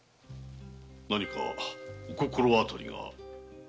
何かお心当たりが？